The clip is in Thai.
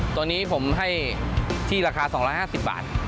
ตัวนี้ผมให้ที่ราคา๒๕๐บาท